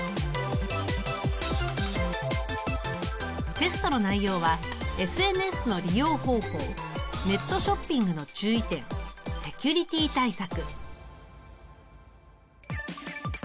テストの内容はＳＮＳの利用方法ネットショッピングの注意点セキュリティ対策。